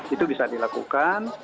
itu bisa dilakukan